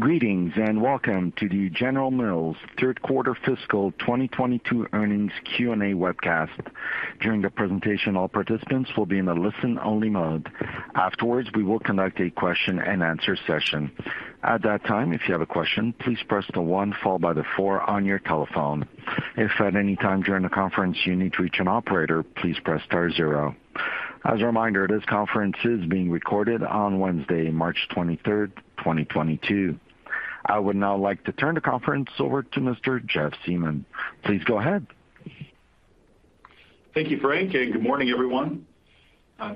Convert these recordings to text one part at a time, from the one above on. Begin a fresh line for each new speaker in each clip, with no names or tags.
Greetings, and welcome to the General Mills third quarter fiscal 2022 earnings Q&A webcast. During the presentation, all participants will be in a listen-only mode. Afterwards, we will conduct a question-and-answer session. At that time, if you have a question, please press the one followed by the four on your telephone. If at any time during the conference you need to reach an operator, please press star zero. As a reminder, this conference is being recorded on Wednesday, March 23, 2022. I would now like to turn the conference over to Mr. Jeff Siemon. Please go ahead.
Thank you, Frank, and good morning, everyone.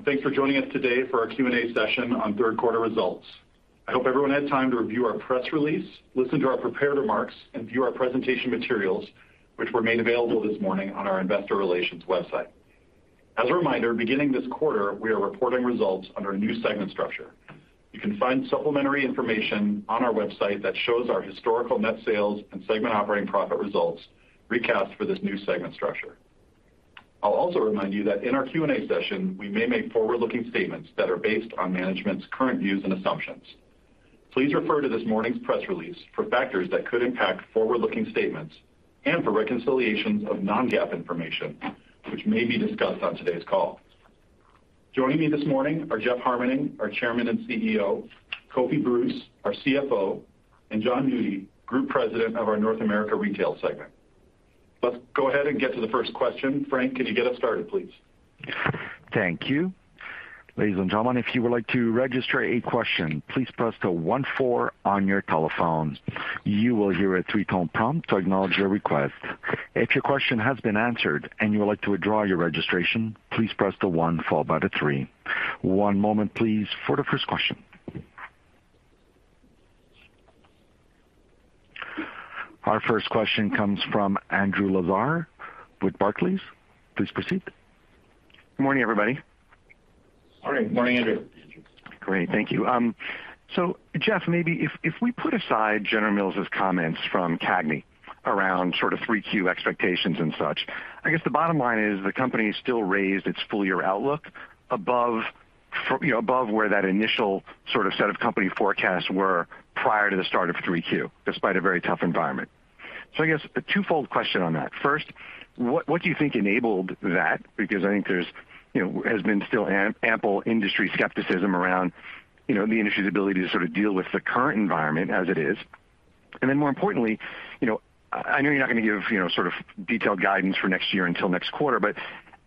Thanks for joining us today for our Q&A session on third quarter results. I hope everyone had time to review our press release, listen to our prepared remarks, and view our presentation materials, which were made available this morning on our investor relations website. As a reminder, beginning this quarter, we are reporting results under a new segment structure. You can find supplementary information on our website that shows our historical net sales and segment operating profit results recast for this new segment structure. I'll also remind you that in our Q&A session, we may make forward-looking statements that are based on management's current views and assumptions. Please refer to this morning's press release for factors that could impact forward-looking statements and for reconciliations of non-GAAP information, which may be discussed on today's call. Joining me this morning are Jeff Harmening, our Chairman and CEO, Kofi Bruce, our CFO, and Jon Nudi, Group President of our North America Retail segment. Let's go ahead and get to the first question. Frank, could you get us started, please?
Thank you. Ladies and gentlemen, if you would like to register a question, please press the one four on your telephones. You will hear a three-tone prompt to acknowledge your request. If your question has been answered and you would like to withdraw your registration, please press the one followed by the three. One moment, please, for the first question. Our first question comes from Andrew Lazar with Barclays. Please proceed.
Good morning, everybody.
Morning.
Morning, Andrew.
Andrew.
Great. Thank you. Jeff, maybe if we put aside General Mills's comments from CAGNY around sort of 3Q expectations and such, I guess the bottom line is the company still raised its full year outlook above, you know, above where that initial sort of set of company forecasts were prior to the start of 3Q, despite a very tough environment. I guess a twofold question on that. First, what do you think enabled that? Because I think there's, you know, has been still ample industry skepticism around, you know, the industry's ability to sort of deal with the current environment as it is. More importantly, you know, I know you're not gonna give, you know, sort of detailed guidance for next year until next quarter, but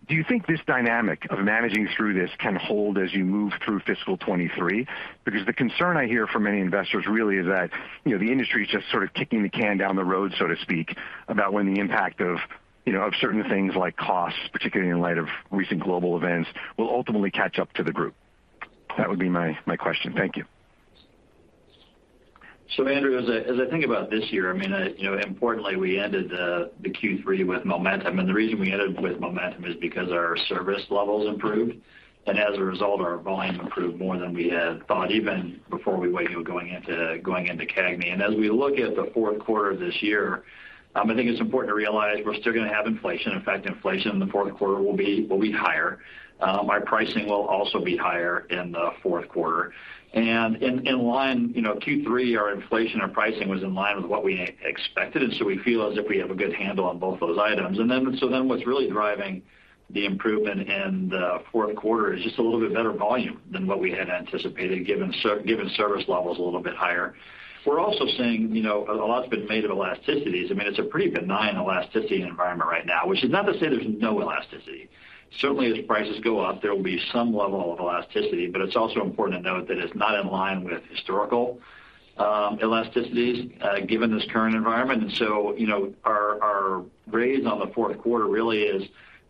do you think this dynamic of managing through this can hold as you move through fiscal 2023? Because the concern I hear from many investors really is that, you know, the industry is just sort of kicking the can down the road, so to speak, about when the impact of, you know, of certain things like costs, particularly in light of recent global events, will ultimately catch up to the group. That would be my question. Thank you.
Andrew, as I think about this year, I mean, you know, importantly, we ended the Q3 with momentum. The reason we ended with momentum is because our service levels improved. As a result, our volume improved more than we had thought, even before we went, you know, going into CAGNY. As we look at the fourth quarter of this year, I think it's important to realize we're still gonna have inflation. In fact, inflation in the fourth quarter will be higher. Our pricing will also be higher in the fourth quarter. In line, you know, Q3, our inflation, our pricing was in line with what we expected, and so we feel as if we have a good handle on both those items. What's really driving the improvement in the fourth quarter is just a little bit better volume than what we had anticipated, given given service levels a little bit higher. We're also seeing, you know, a lot's been made of elasticities. I mean, it's a pretty benign elasticity environment right now, which is not to say there's no elasticity. Certainly, as prices go up, there will be some level of elasticity, but it's also important to note that it's not in line with historical elasticities, given this current environment. Our raise on the fourth quarter really is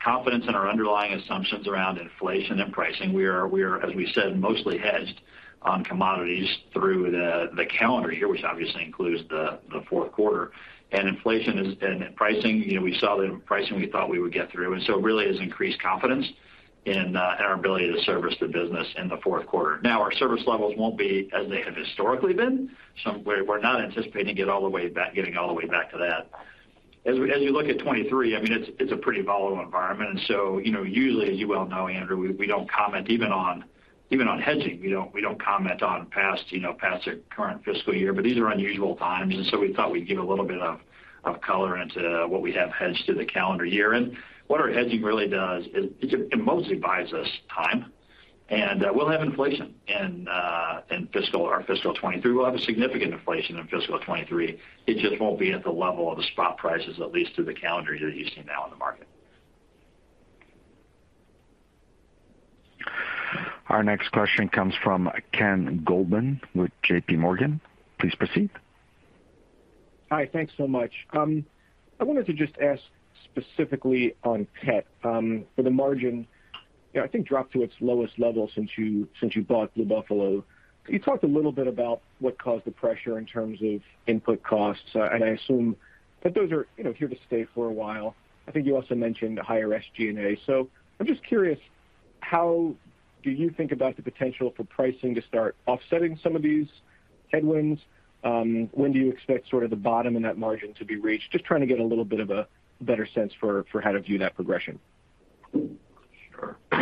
confidence in our underlying assumptions around inflation and pricing. We are, as we said, mostly hedged on commodities through the calendar here, which obviously includes the fourth quarter. Inflation and pricing, you know, we saw the pricing we thought we would get through, and really has increased confidence in our ability to service the business in the fourth quarter. Now, our service levels won't be as they have historically been. We're not anticipating getting all the way back to that. As you look at 2023, I mean, it's a pretty volatile environment. You know, usually, as you well know, Andrew, we don't comment even on hedging. We don't comment past, you know, past the current fiscal year. But these are unusual times, and we thought we'd give a little bit of color into what we have hedged through the calendar year. What our hedging really does is it mostly buys us time. We'll have inflation in our fiscal 2023. We'll have a significant inflation in fiscal 2023. It just won't be at the level of the spot prices, at least through the calendar year that you see now in the market.
Our next question comes from Ken Goldman with JPMorgan. Please proceed.
Hi. Thanks so much. I wanted to just ask specifically on pet for the margin, you know, I think dropped to its lowest level since you bought Blue Buffalo. Can you talk a little bit about what caused the pressure in terms of input costs? I assume that those are, you know, here to stay for a while. I think you also mentioned higher SG&A. I'm just curious, how do you think about the potential for pricing to start offsetting some of these headwinds? When do you expect sort of the bottom in that margin to be reached? Just trying to get a little bit of a better sense for how to view that progression.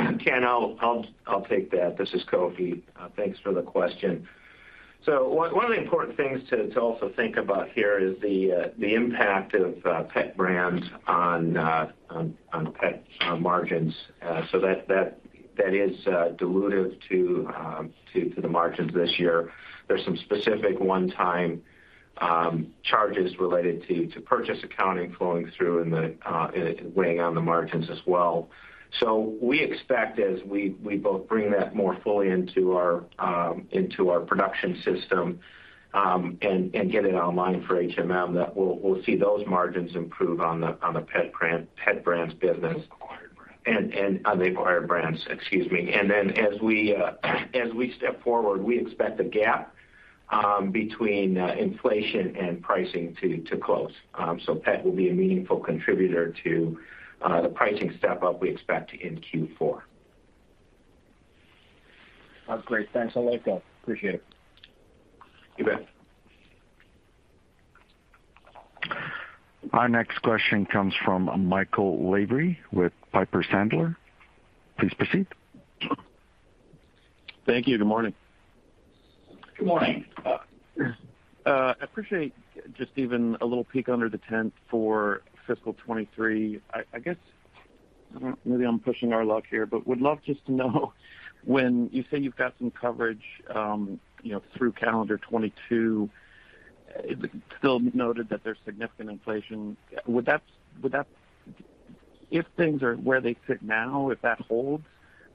Sure. Ken, I'll take that. This is Kofi. Thanks for the question. One of the important things to also think about here is the impact of pet brands on pet margins. That is dilutive to the margins this year. There's some specific one-time charges related to purchase accounting flowing through and weighing on the margins as well. We expect as we both bring that more fully into our production system and get it online for HMM, that we'll see those margins improve on the pet brands business. Acquired brands. On the acquired brands. Excuse me. As we step forward, we expect the gap between inflation and pricing to close. Pet will be a meaningful contributor to the pricing step-up we expect in Q4.
That's great. Thanks a lot, Kofi. Appreciate it.
You bet.
Our next question comes from Michael Lavery with Piper Sandler. Please proceed.
Thank you. Good morning.
Good morning.
I appreciate just even a little peek under the tent for fiscal 2023. I guess, maybe I'm pushing our luck here, but would love just to know when you say you've got some coverage, you know, through calendar 2022, it's still noted that there's significant inflation. If things are where they sit now, if that holds,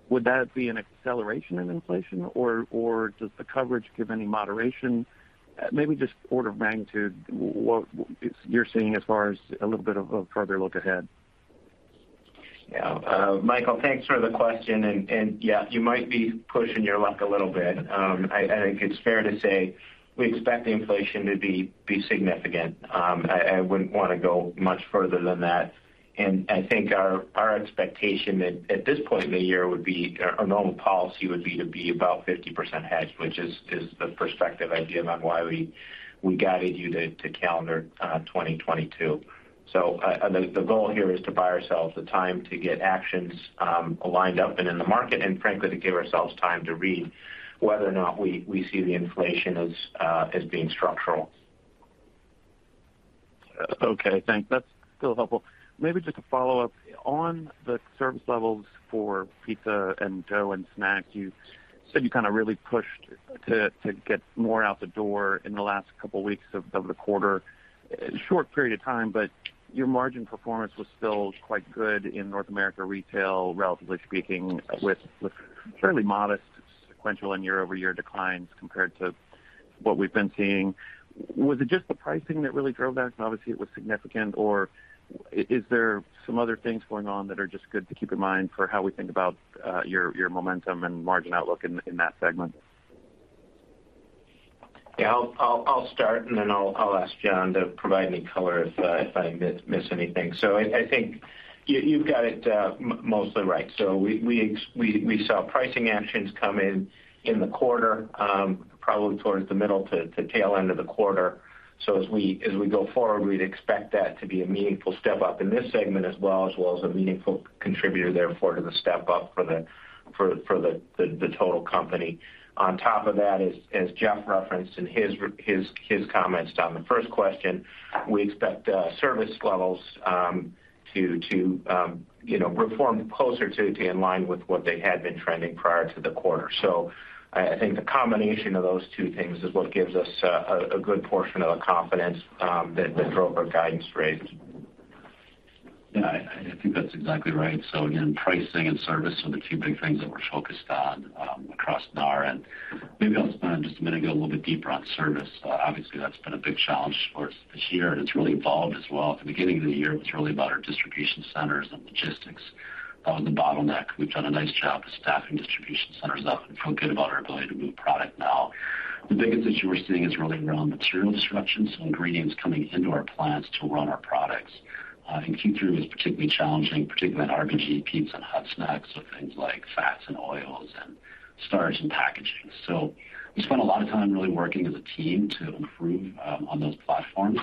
would that be an acceleration in inflation or does the coverage give any moderation? Maybe just order of magnitude, what you're seeing as far as a little bit of a further look ahead.
Yeah. Michael, thanks for the question. Yeah, you might be pushing your luck a little bit. I think it's fair to say we expect the inflation to be significant. I wouldn't wanna go much further than that. I think our expectation at this point in the year would be or normal policy would be to be about 50% hedged, which is the prospective idea on why we guided you to calendar 2022. The goal here is to buy ourselves the time to get actions lined up and in the market, and frankly, to give ourselves time to read whether or not we see the inflation as being structural.
Okay. Thanks. That's still helpful. Maybe just a follow-up. On the service levels for pizza and dough and snack, you said you kinda really pushed to get more out the door in the last couple weeks of the quarter. Short period of time, but your margin performance was still quite good in North America Retail, relatively speaking, with fairly modest sequential and year-over-year declines compared to what we've been seeing. Was it just the pricing that really drove that, and obviously it was significant? Or is there some other things going on that are just good to keep in mind for how we think about your momentum and margin outlook in that segment?
Yeah. I'll start and then I'll ask Jon to provide any color if I miss anything. I think you've got it mostly right. We saw pricing actions come in in the quarter, probably towards the middle to tail end of the quarter. As we go forward, we'd expect that to be a meaningful step up in this segment as well as a meaningful contributor therefore to the step up for the total company. On top of that, as Jeff referenced in his comments on the first question, we expect service levels to, you know, perform closer to in line with what they had been trending prior to the quarter. I think the combination of those two things is what gives us a good portion of the confidence that drove our guidance raise.
Yeah, I think that's exactly right. Again, pricing and service are the two big things that we're focused on across NAR. Maybe I'll spend just a minute, go a little bit deeper on service. Obviously that's been a big challenge for us this year, and it's really evolved as well. At the beginning of the year, it was really about our distribution centers and logistics. That was the bottleneck. We've done a nice job of staffing distribution centers up and feel good about our ability to move product now. The biggest issue we're seeing is really around material disruptions, so ingredients coming into our plants to run our products. In Q3 was particularly challenging, particularly in RBG, pizza and hot snacks with things like fats and oils and starch and packaging. We spent a lot of time really working as a team to improve on those platforms.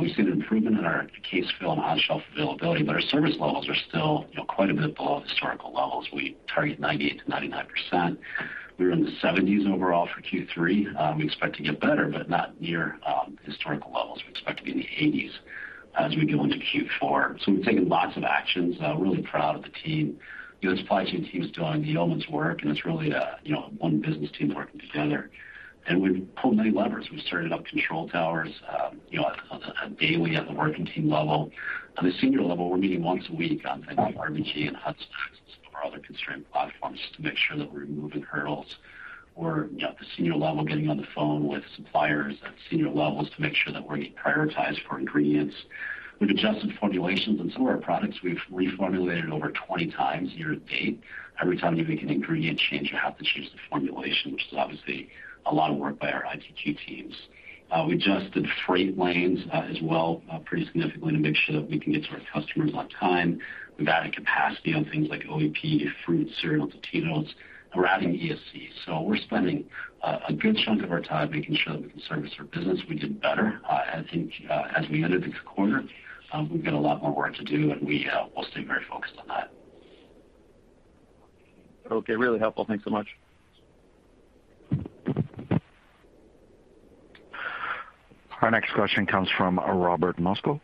We've seen an improvement in our case fill and on-shelf availability, but our service levels are still, you know, quite a bit below historical levels. We target 98%-99%. We were in the 70s overall for Q3. We expect to get better, but not near historical levels. We expect to be in the 80s as we go into Q4. We've taken lots of actions. Really proud of the team. You know, the supply chain team is doing a yeoman's work, and it's really, you know, one business team working together. We've pulled many levers. We've started up control towers, you know, on a daily at the working team level. On a senior level, we're meeting once a week on things like RBG and hot snacks and some of our other constrained platforms just to make sure that we're removing hurdles. We're, you know, at the senior level, getting on the phone with suppliers at senior levels to make sure that we're getting prioritized for ingredients. We've adjusted formulations on some of our products. We've reformulated over 20x year to date. Every time you make an ingredient change, you have to change the formulation, which is obviously a lot of work by our ITQ teams. We adjusted freight lanes, as well, pretty significantly to make sure that we can get to our customers on time. We've added capacity on things like Old El Paso, fruit, cereal, Totino's. We're adding ESC. We're spending a good chunk of our time making sure that we can service our business. We did better, I think, as we ended the quarter. We've got a lot more work to do, and we will stay very focused on that.
Okay, really helpful. Thanks so much.
Our next question comes from Robert Moskow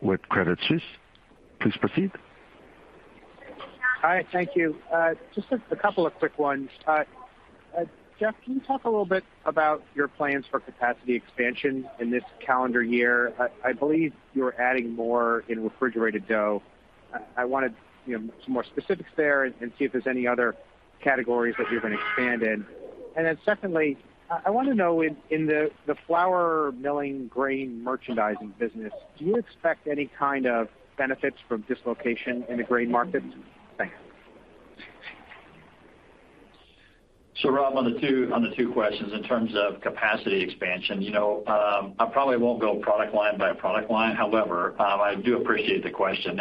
with Credit Suisse. Please proceed.
Hi. Thank you. Just a couple of quick ones. Jeff, can you talk a little bit about your plans for capacity expansion in this calendar year? I believe you're adding more in refrigerated dough. I wanted, you know, some more specifics there and see if there's any other categories that you're gonna expand in. Then secondly, I wanna know in the flour milling grain merchandising business, do you expect any kind of benefits from dislocation in the grain markets? Thanks.
Rob, on the two questions, in terms of capacity expansion, you know, I probably won't go product line by product line. However, I do appreciate the question.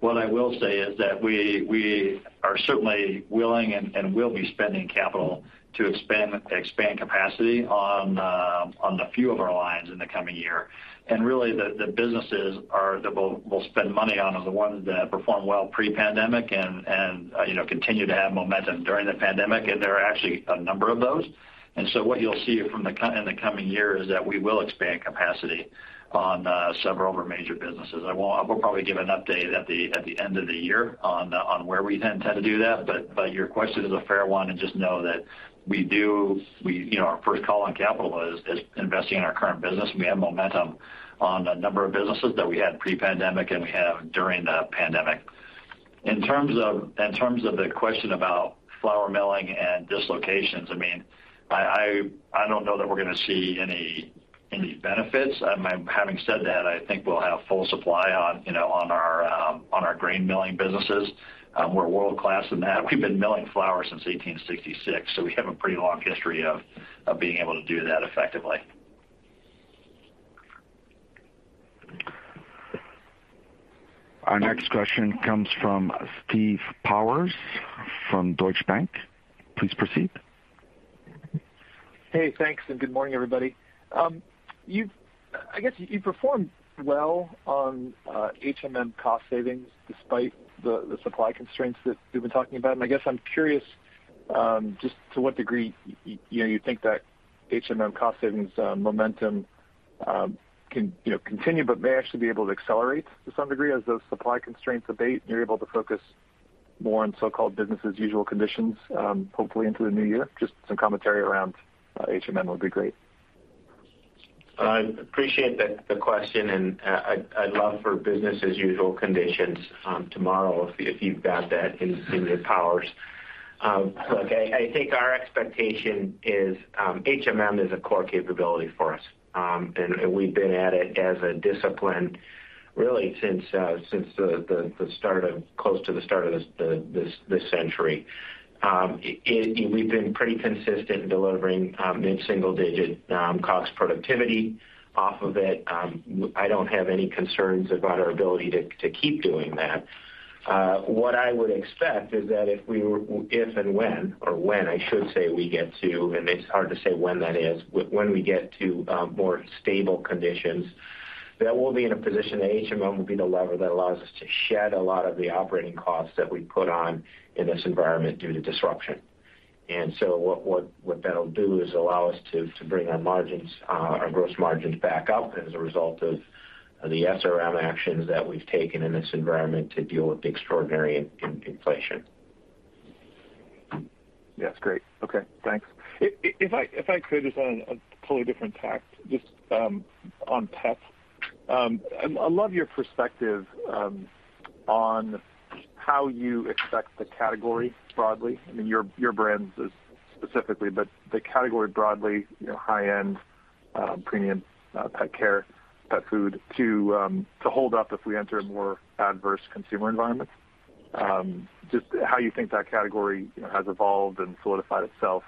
What I will say is that we are certainly willing and will be spending capital to expand capacity on a few of our lines in the coming year. Really, the businesses that we'll spend money on are the ones that performed well pre-pandemic and, you know, continue to have momentum during the pandemic, and there are actually a number of those. What you'll see from the company in the coming year is that we will expand capacity on several of our major businesses. I will probably give an update at the end of the year on where we then tend to do that. Your question is a fair one, and just know that we do, you know, our first call on capital is investing in our current business. We have momentum on a number of businesses that we had pre-pandemic and we have during the pandemic. In terms of the question about flour milling and dislocations, I mean, I don't know that we're gonna see any benefits. Having said that, I think we'll have full supply on, you know, on our grain milling businesses. We're world-class in that. We've been milling flour since 1866, so we have a pretty long history of being able to do that effectively.
Our next question comes from Steve Powers from Deutsche Bank. Please proceed.
Hey, thanks, and good morning, everybody. I guess you performed well on HMM cost savings despite the supply constraints that you've been talking about. I guess I'm curious just to what degree you know you think that HMM cost savings momentum can you know continue but may actually be able to accelerate to some degree as those supply constraints abate, and you're able to focus more on so-called business as usual conditions hopefully into the new year. Just some commentary around HMM would be great.
I appreciate the question, and I'd love for business as usual conditions tomorrow if you've got that in your powers. Look, I think our expectation is HMM is a core capability for us. We've been at it as a discipline really since close to the start of this century. We've been pretty consistent delivering mid-single digit cost productivity off of it. I don't have any concerns about our ability to keep doing that. What I would expect is that if and when, or when, I should say, we get to, and it's hard to say when that is, when we get to more stable conditions, that we'll be in a position that HMM will be the lever that allows us to shed a lot of the operating costs that we put on in this environment due to disruption. What that'll do is allow us to bring our margins, our gross margins back up as a result of the SRM actions that we've taken in this environment to deal with the extraordinary inflation.
Yes. Great. Okay, thanks. If I could, just on a totally different tack, just on pets. I'd love your perspective on how you expect the category broadly, I mean, your brands specifically, but the category broadly, you know, high-end premium pet care, pet food to hold up if we enter a more adverse consumer environment. Just how you think that category, you know, has evolved and solidified itself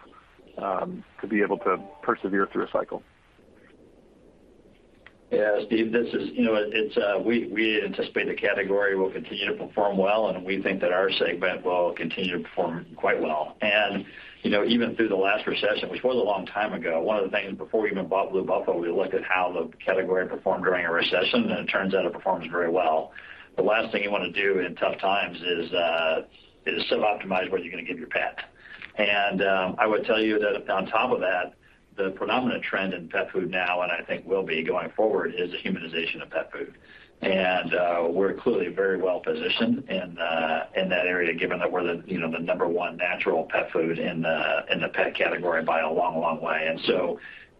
to be able to persevere through a cycle.
Yeah. Steve, this is, you know, it's we anticipate the category will continue to perform well, and we think that our segment will continue to perform quite well. You know, even through the last recession, which was a long time ago, one of the things before we even bought Blue Buffalo, we looked at how the category performed during a recession, and it turns out it performs very well. The last thing you wanna do in tough times is suboptimize what you're gonna give your pet. I would tell you that on top of that, the predominant trend in pet food now, and I think will be going forward, is the humanization of pet food. We're clearly very well positioned in that area, given that we're the, you know, the number one natural pet food in the pet category by a long, long way.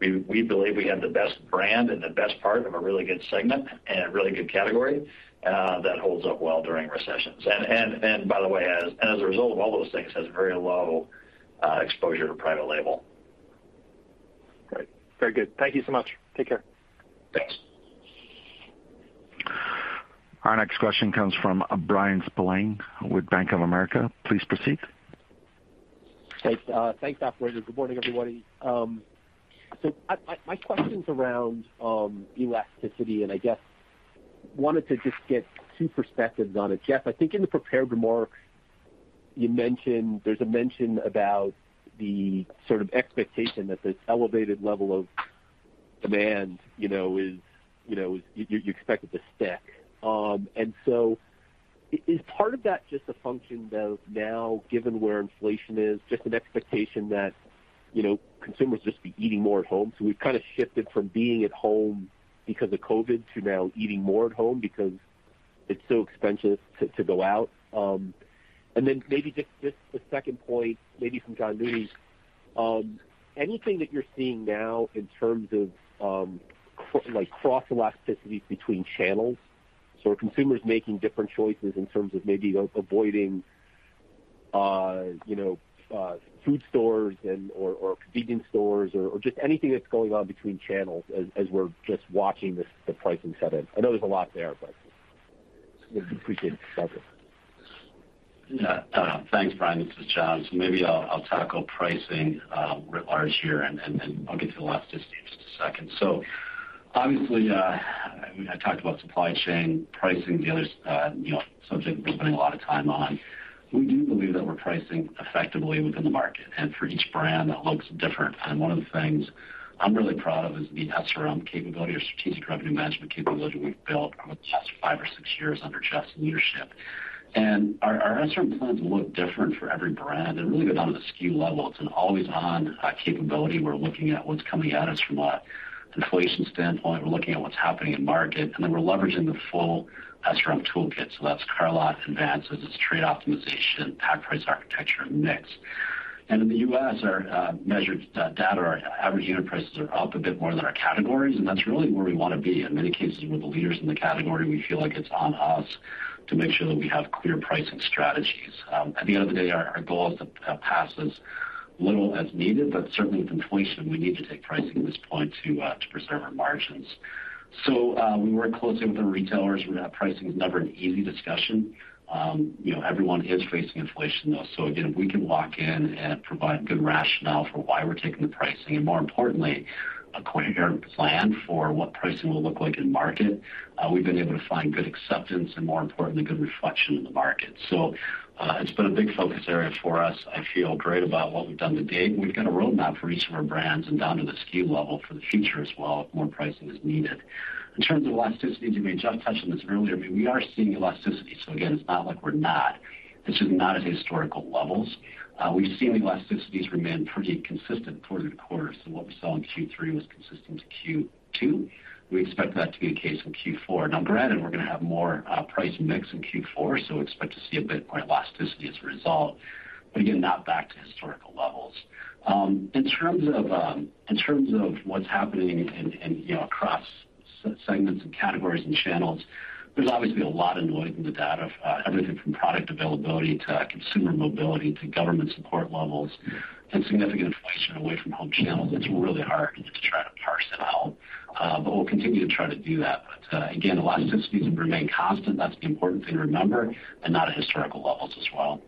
We believe we have the best brand and the best part of a really good segment and a really good category that holds up well during recessions. By the way, as a result of all those things, it has very low exposure to private label.
Great. Very good. Thank you so much. Take care.
Thanks.
Our next question comes from Bryan Spillane with Bank of America. Please proceed.
Thanks. Thanks, operator. Good morning, everybody. My question's around elasticity, and I guess wanted to just get two perspectives on it. Jeff, I think in the prepared remarks you mentioned. There's a mention about the sort of expectation that this elevated level of demand, you know, is. You expect it to stick. Is part of that just a function of now given where inflation is, just an expectation that, you know, consumers just be eating more at home. We've kind of shifted from being at home because of COVID to now eating more at home because it's so expensive to go out. And then maybe just the second point, maybe from Jon Nudi. Anything that you're seeing now in terms of like cross elasticities between channels. Are consumers making different choices in terms of maybe avoiding you know food stores and/or or convenience stores or just anything that's going on between channels as we're just watching this the pricing set in? I know there's a lot there, but we'd appreciate it. Thank you.
Thanks, Bryan. This is Jon. Maybe I'll tackle pricing largely here, and I'll get to elasticity in just a second. Obviously, I mean, I talked about supply chain, pricing, the other, you know, subject we're spending a lot of time on. We do believe that we're pricing effectively within the market. For each brand that looks different. One of the things I'm really proud of is the SRM capability or Strategic Revenue Management capability we've built over the past five or six years under Jeff's leadership. Our SRM plans look different for every brand and really go down to the SKU level. It's an always on capability. We're looking at what's coming at us from an inflation standpoint. We're looking at what's happening in the market, and then we're leveraging the full SRM toolkit. That's Carload, Advances, it's Trade Optimization, Pack Price Architecture, and Mix. In the U.S., our measured data, our average unit prices are up a bit more than our categories, and that's really where we wanna be. In many cases, we're the leaders in the category. We feel like it's on us to make sure that we have clear pricing strategies. At the end of the day, our goal is to pass as little as needed, but certainly with inflation, we need to take pricing at this point to preserve our margins. We work closely with our retailers. We know pricing is never an easy discussion. You know, everyone is facing inflation, though. Again, if we can walk in and provide good rationale for why we're taking the pricing and more importantly, a coherent plan for what pricing will look like in market, we've been able to find good acceptance and more importantly, good reflection in the market. It's been a big focus area for us. I feel great about what we've done to date, and we've got a roadmap for each of our brands and down to the SKU level for the future as well if more pricing is needed. In terms of elasticity, I mean, Jeff touched on this earlier. I mean, we are seeing elasticity, again, it's not like we're not. It's just not at historical levels. We've seen the elasticities remain pretty consistent quarter to quarter. What we saw in Q3 was consistent to Q2. We expect that to be the case in Q4. Now granted, we're gonna have more price mix in Q4, so expect to see a bit more elasticity as a result, but again, not back to historical levels. In terms of what's happening, you know, across segments and categories and channels, there's obviously a lot of noise in the data, everything from product availability to consumer mobility to government support levels and significant inflation away from home channels. It's really hard to try to parse it out, but we'll continue to try to do that. Again, elasticities have remained constant. That's the important thing to remember, and not at historical levels as well.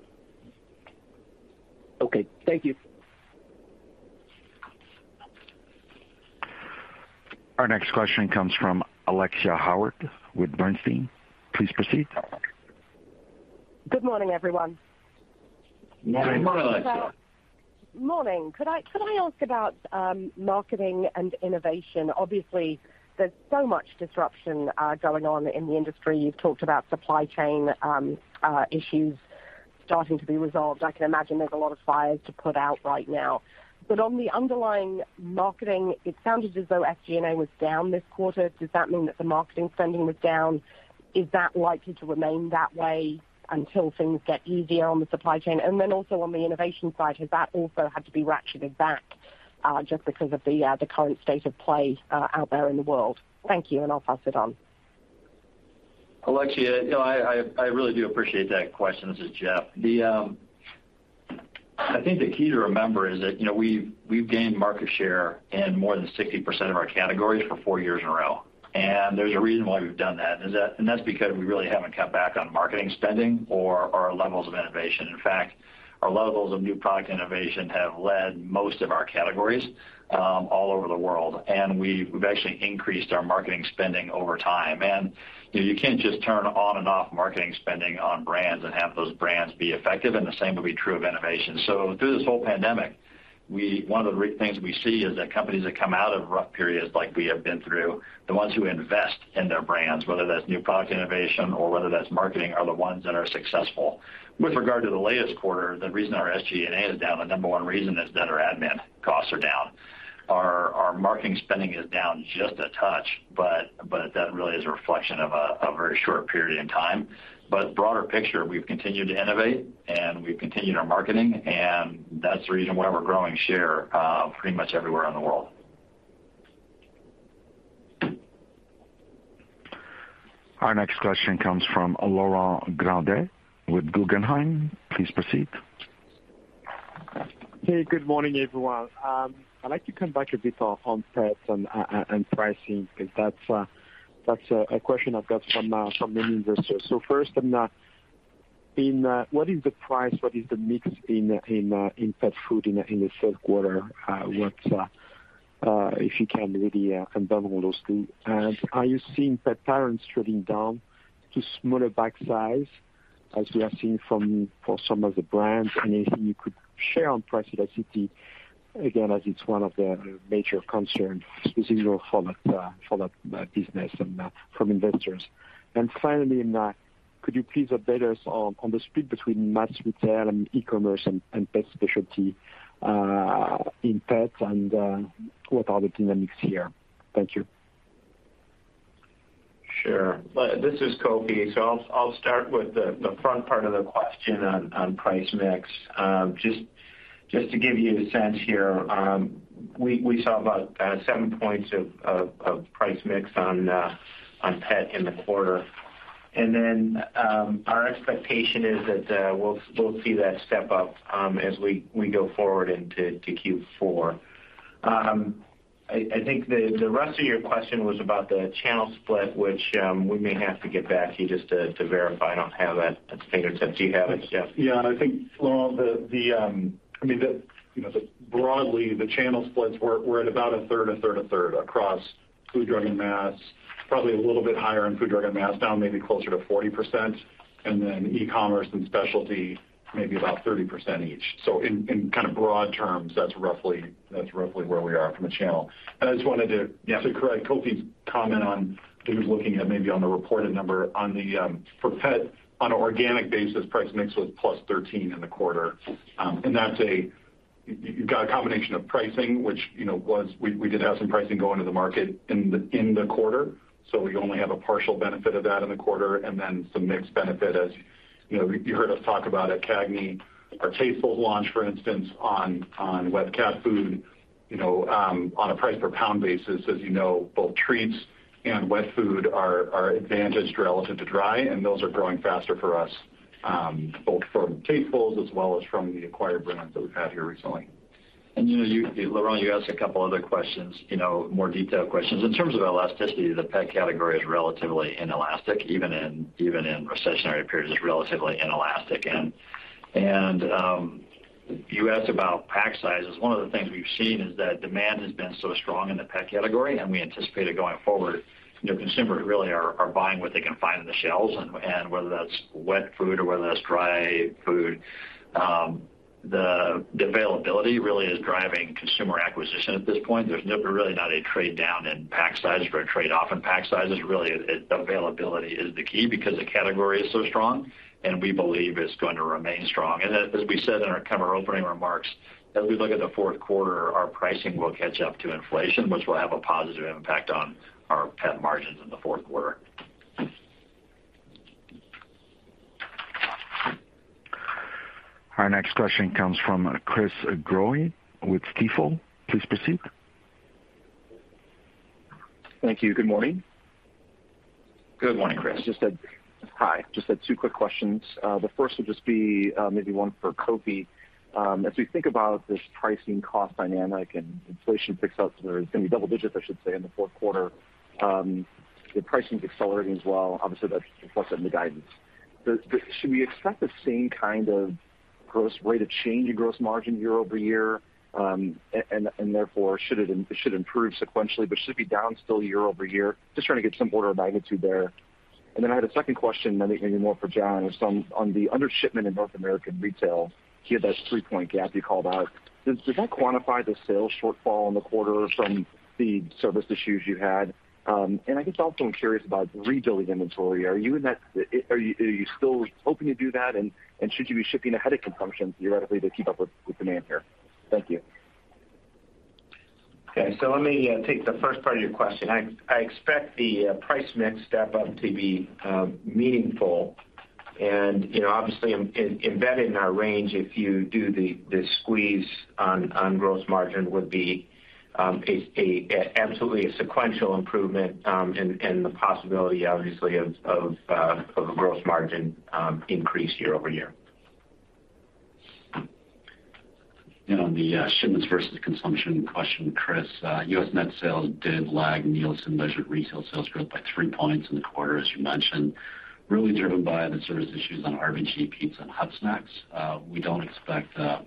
Okay. Thank you.
Our next question comes from Alexia Howard with Bernstein. Please proceed.
Good morning, everyone.
Morning.
Morning, Alexia.
Morning. Could I ask about marketing and innovation? Obviously, there's so much disruption going on in the industry. You've talked about supply chain issues starting to be resolved. I can imagine there's a lot of fires to put out right now. But on the underlying marketing, it sounded as though SG&A was down this quarter. Does that mean that the marketing spending was down? Is that likely to remain that way until things get easier on the supply chain? On the innovation side, has that also had to be ratcheted back just because of the current state of play out there in the world? Thank you, and I'll pass it on.
Alexia, you know, I really do appreciate that question. This is Jeff. I think the key to remember is that, you know, we've gained market share in more than 60% of our categories for four years in a row. There's a reason why we've done that, is that that's because we really haven't cut back on marketing spending or our levels of innovation. In fact, our levels of new product innovation have led most of our categories, all over the world, and we've actually increased our marketing spending over time. You know, you can't just turn on and off marketing spending on brands and have those brands be effective, and the same will be true of innovation. Through this whole pandemic, one of the things we see is that companies that come out of rough periods like we have been through, the ones who invest in their brands, whether that's new product innovation or whether that's marketing, are the ones that are successful. With regard to the latest quarter, the reason our SG&A is down, the number one reason is that our admin costs are down. Our marketing spending is down just a touch, but that really is a reflection of a very short period in time. Broader picture, we've continued to innovate, and we've continued our marketing, and that's the reason why we're growing share, pretty much everywhere in the world.
Our next question comes from Laurent Grandet with Guggenheim. Please proceed.
Hey, good morning, everyone. I'd like to come back a bit on pets and pricing, because that's a question I've got from many investors. First, then what is the price, what is the mix in pet food in the third quarter? What if you can maybe net of all those too. Are you seeing pet parents trading down to smaller bag size? As we have seen for some of the brands. Anything you could share on price elasticity, again, as it's one of the major concern specifically for that business and from investors. Finally, could you please update us on the split between mass retail and e-commerce and pet specialty in pet and what are the dynamics here? Thank you.
Sure. This is Kofi. I'll start with the front part of the question on price mix. Just to give you the sense here, we saw about seven points of price mix on pet in the quarter. Our expectation is that we'll see that step up as we go forward into Q4. I think the rest of your question was about the channel split, which we may have to get back to you just to verify. I don't have that at my fingertips. Do you have it, Jeff?
Yeah. I think, Laurent, I mean, you know, broadly, the channel splits we're at about a third, a third, a third across food, drug, and mass. Probably a little bit higher in food, drug, and mass, now maybe closer to 40%. Then e-commerce and specialty, maybe about 30% each. In kind of broad terms, that's roughly where we are from a channel. I just wanted to
Yeah.
To correct Kofi's comment on, he was looking at maybe on the reported number. On the for pet on an organic basis, price mix was plus 13% in the quarter. That's a you got a combination of pricing, which, you know, was. We did have some pricing go into the market in the quarter, so we only have a partial benefit of that in the quarter. Then some mixed benefit as, you know, you heard us talk about at CAGNY, our Tastefuls launch, for instance, on wet cat food, you know, on a price per pound basis. As you know, both treats and wet food are advantaged relative to dry, and those are growing faster for us, both from Tastefuls as well as from the acquired brands that we've had here recently.
You know, you, Laurent, you asked a couple other questions, you know, more detailed questions. In terms of elasticity, the pet category is relatively inelastic. Even in recessionary periods, it's relatively inelastic. You asked about pack sizes. One of the things we've seen is that demand has been so strong in the pet category, and we anticipate it going forward. You know, consumers really are buying what they can find on the shelves. Whether that's wet food or whether that's dry food, the availability really is driving consumer acquisition at this point. There's really not a trade down in pack sizes or a trade-off in pack sizes. Availability is the key because the category is so strong, and we believe it's going to remain strong. As we said in our kind of opening remarks, as we look at the fourth quarter, our pricing will catch up to inflation, which will have a positive impact on our pet margins in the fourth quarter.
Our next question comes from Chris Growe with Stifel. Please proceed.
Thank you. Good morning.
Good morning, Chris.
Just had two quick questions. The first would just be, maybe one for Kofi. As we think about this pricing cost dynamic and inflation picks up, so there's going to be double digits, I should say, in the fourth quarter, the pricing's accelerating as well. Obviously, that's reflected in the guidance. Should we expect the same kind of gross rate of change in gross margin year-over-year? And therefore it should improve sequentially, but should it be down still year-over-year? Just trying to get some order of magnitude there. I had a second question, I think maybe more for Jon. On the undershipment in North America Retail, you had that three-point gap you called out. Does that quantify the sales shortfall in the quarter from the service issues you had? I guess also I'm curious about rebuilding inventory. Are you still hoping to do that? Should you be shipping ahead of consumption theoretically to keep up with demand here? Thank you.
Okay. Let me take the first part of your question. I expect the price mix step up to be meaningful. You know, obviously embedded in our range, if you do the squeeze on gross margin would be absolutely a sequential improvement, and the possibility obviously of a gross margin increase year-over-year.
On the shipments versus consumption question, Chris, U.S. net sales did lag Nielsen measured retail sales growth by 3 points in the quarter, as you mentioned, really driven by the service issues on RB&G pizza and hot snacks. We don't expect the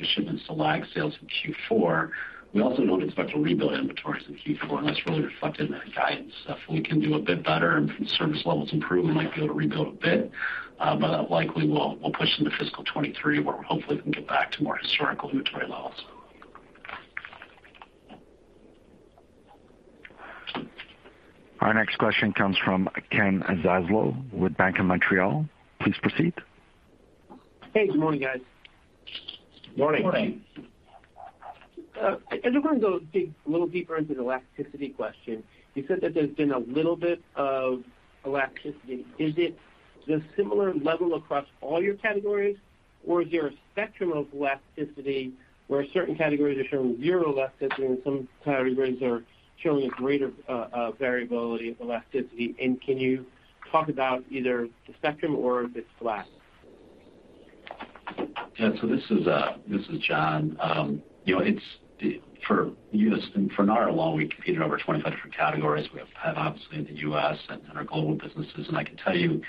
shipments to lag sales in Q4. We also don't expect to rebuild inventories in Q4, and that's really reflected in the guidance. If we can do a bit better and service levels improve, we might be able to rebuild a bit. But that likely will push into fiscal 2023, where we hopefully can get back to more historical inventory levels.
Our next question comes from Ken Zaslow with Bank of Montreal. Please proceed.
Hey, good morning, guys.
Morning.
Morning.
I just wanted to dig a little deeper into the elasticity question. You said that there's been a little bit of elasticity. Is it a similar level across all your categories or is there a spectrum of elasticity where certain categories are showing zero elasticity and some categories are showing a greater variability of elasticity? Can you talk about either the spectrum or if it's flat?
Yeah. This is Jon Nudi. You know, it's for us and for no one alone, we compete in over 25 different categories. We have pet obviously in the U.S. and in our global businesses. I can tell you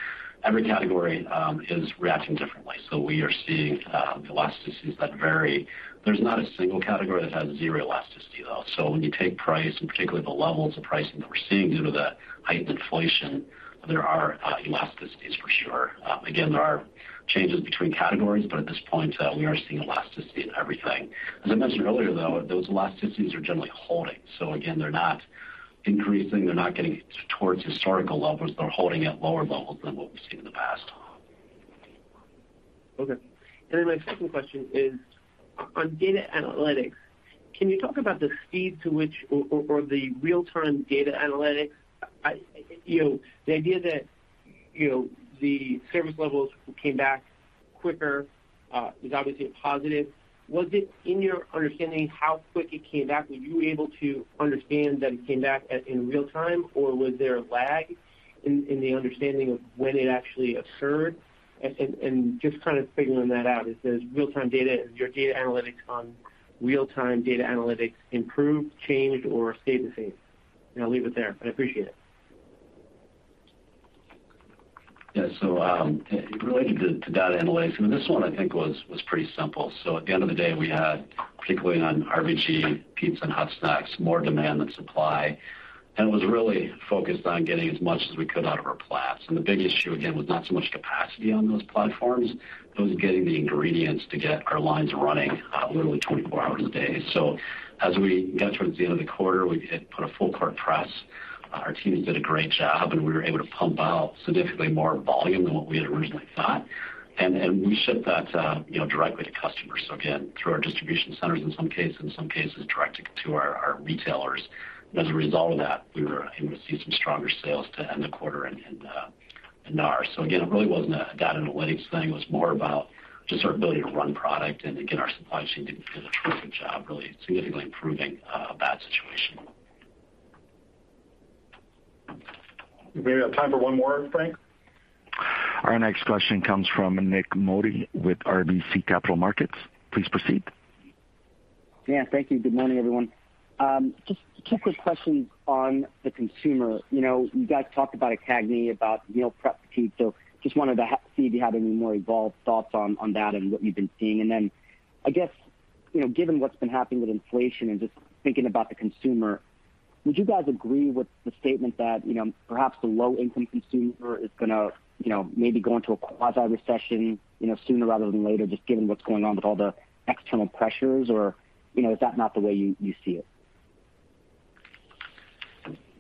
every category is reacting differently. We are seeing elasticities that vary. There's not a single category that has zero elasticity, though. When you take price, and particularly the levels of pricing that we're seeing due to the heightened inflation, there are elasticities for sure. Again, there are changes between categories, but at this point, we are seeing elasticity in everything. As I mentioned earlier, though, those elasticities are generally holding. Again, they're not increasing, they're not getting towards historical levels. They're holding at lower levels than what we've seen in the past.
Okay. My second question is, on data analytics, can you talk about the speed to which the real-time data analytics? You know, the idea that, you know, the service levels came back quicker, is obviously a positive. Was it in your understanding how quick it came back? Were you able to understand that it came back in real time or was there a lag in the understanding of when it actually occurred? Just kind of figuring that out. Is this real time data? Is your data analytics on real time data analytics improved, changed or stayed the same? I'll leave it there, but appreciate it.
Yeah. Related to data analytics, I mean, this one I think was pretty simple. At the end of the day we had, particularly on RB&G, pizza and hot snacks, more demand than supply and was really focused on getting as much as we could out of our plants. The big issue again was not so much capacity on those platforms, it was getting the ingredients to get our lines running, literally 24 hours a day. As we got towards the end of the quarter, we put a full court press. Our teams did a great job and we were able to pump out significantly more volume than what we had originally thought. We shipped that, you know, directly to customers. Again, through our distribution centers in some cases direct to our retailers. As a result of that we were able to see some stronger sales to end the quarter in our. Again, it really wasn't a data analytics thing, it was more about just our ability to run product and again, our supply chain did a terrific job really significantly improving a bad situation.
We have time for one more, Frank.
Our next question comes from Nik Modi with RBC Capital Markets. Please proceed.
Yeah, thank you. Good morning, everyone. Just two quick questions on the consumer. You know, you guys talked at CAGNY about meal prep fatigue, so just wanted to see if you have any more evolved thoughts on that and what you've been seeing. Then I guess, you know, given what's been happening with inflation and just thinking about the consumer, would you guys agree with the statement that, you know, perhaps the low income consumer is gonna, you know, maybe go into a quasi-recession, you know, sooner rather than later, just given what's going on with all the external pressures? Or, you know, is that not the way you see it?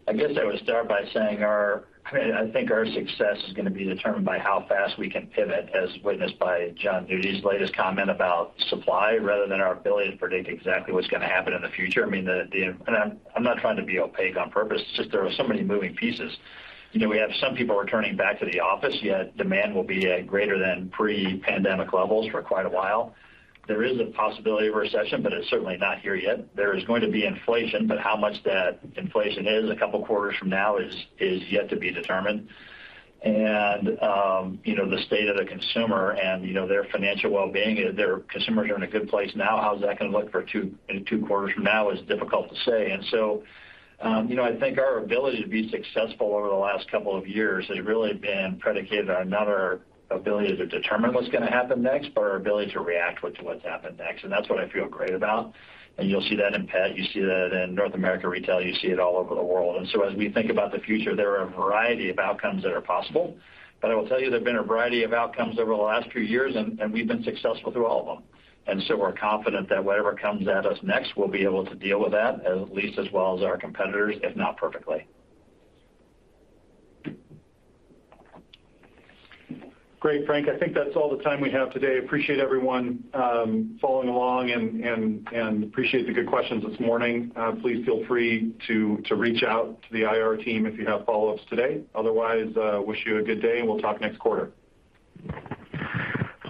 I guess I would start by saying, I mean, I think our success is gonna be determined by how fast we can pivot as witnessed by Jon Nudi's latest comment about supply rather than our ability to predict exactly what's gonna happen in the future. I mean, I'm not trying to be opaque on purpose, it's just there are so many moving pieces. You know, we have some people returning back to the office, yet demand will be at greater than pre-pandemic levels for quite a while. There is a possibility of recession, but it's certainly not here yet. There is going to be inflation, but how much that inflation is a couple quarters from now is yet to be determined. You know, the state of the consumer and, you know, their financial wellbeing, their consumers are in a good place now, how's that gonna look for 2, you know, 2 quarters from now is difficult to say. You know, I think our ability to be successful over the last couple of years has really been predicated on not our ability to determine what's gonna happen next, but our ability to react with what's happened next. That's what I feel great about. You'll see that in Pet, you see that in North America Retail, you see it all over the world. As we think about the future there are a variety of outcomes that are possible. I will tell you there've been a variety of outcomes over the last few years and we've been successful through all of them. We're confident that whatever comes at us next, we'll be able to deal with that at least as well as our competitors, if not perfectly.
Great, Frank. I think that's all the time we have today. Appreciate everyone following along and appreciate the good questions this morning. Please feel free to reach out to the IR team if you have follow-ups today. Otherwise, wish you a good day and we'll talk next quarter.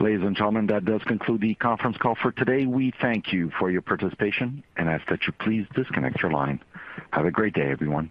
Ladies and gentlemen, that does conclude the conference call for today. We thank you for your participation and ask that you please disconnect your line. Have a great day, everyone.